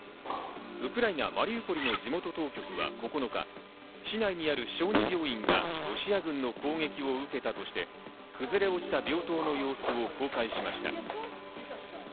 ウクライナ、マリウポリの地元当局は９日、市内にある小児病院がロシア軍の攻撃を受けたとして崩れ落ちた病棟の様子を公開しました。